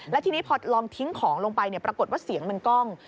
แล้วทีนี้พอลองทิ้งของลงไปปรากฏว่าเสียงมันกล้อง